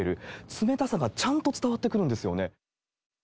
冷たさがちゃんと伝わってくるんですよね。